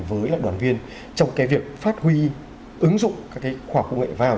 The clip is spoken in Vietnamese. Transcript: với lại đoàn viên trong cái việc phát huy ứng dụng các cái khoa học công nghệ vào